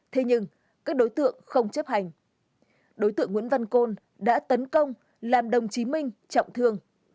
thế nhưng các đối tượng không chấp hành đối tượng nguyễn văn côn đã tấn công làm đồng chí minh trọng thương